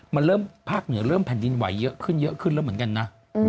มันเริ่มภาคเหนือเริ่มแผ่นดินไหวเยอะขึ้นเยอะขึ้นแล้วเหมือนกันนะ